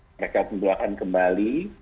mereka pembawa kembali